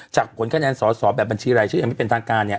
ผลคะแนนสอสอแบบบัญชีรายชื่อยังไม่เป็นทางการเนี่ย